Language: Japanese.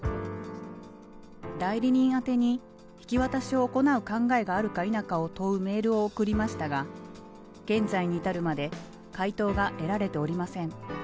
代理人宛てに引き渡しを行う考えがあるか否かを問うメールを送りましたが、現在に至るまで回答が得られておりません。